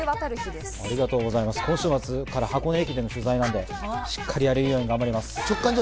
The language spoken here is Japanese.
今週末から箱根駅伝の取材なので、しっかりやれるように頑張ります。